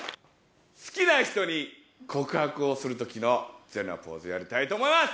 好きな人に告白をするときの全裸ポーズやりたいと思います。